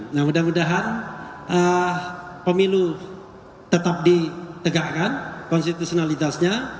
nah mudah mudahan pemilu tetap ditegakkan konstitusionalitasnya